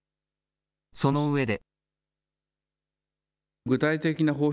その上で。